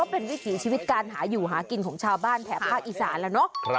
เป็นวิถีชีวิตการหาอยู่หากินของชาวบ้านแถบภาคอีสานแล้วเนาะ